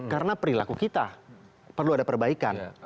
karena perilaku kita perlu ada perbaikan